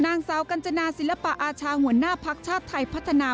นางสาวกัญจนาศิลปะอาชาหัวหน้าภักดิ์ชาติไทยพัฒนา